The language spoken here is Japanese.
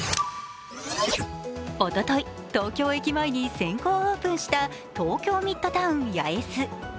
おととい、東京駅前に先行オープンした東京ミッドタウン八重洲。